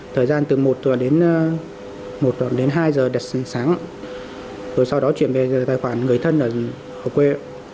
thời gian từ một đến hai giờ đặt sáng rồi sau đó chuyển về tài khoản người thân ở quê